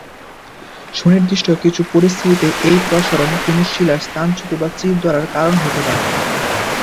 সুনির্দিষ্ট কিছু পরিস্থিতিতে, এই প্রসারণ কোন শিলার স্থানচ্যুতি বা চিড় ধরার কারণ হতে পারে।